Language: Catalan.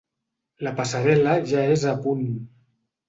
La passarel·la ja es a punt.